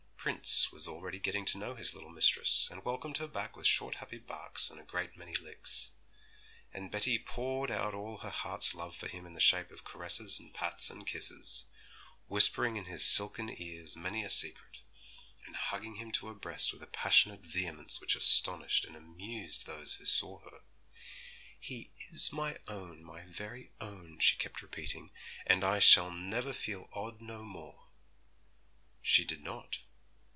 Prince was already getting to know his little mistress, and welcomed her back with short happy barks and a great many licks. And Betty poured out all her heart's love for him in the shape of caresses and pats and kisses, whispering in his silken ears many a secret, and hugging him to her breast with a passionate vehemence which astonished and amused those who saw her. 'He is my own, my very own,' she kept repeating; 'and I shall never feel odd no more!' She did not.